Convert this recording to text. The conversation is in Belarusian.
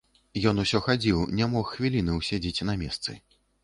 Ён усё хадзіў, не мог хвіліны ўседзець на месцы.